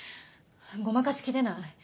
ごまかしきれない。